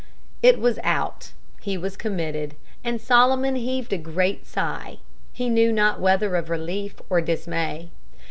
It was out; he was committed, and Solomon heaved a great sigh, he knew not whether of relief or dismay.